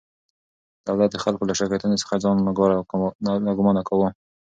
دولت د خلکو له شکایتونو څخه ځان ناګمانه کاوه.